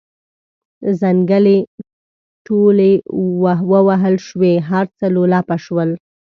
ځنګلې ټولې ووهل شوې هر څه لولپه شول.